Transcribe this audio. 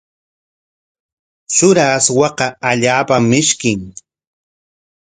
Shura aswaqa allaapam mishkin.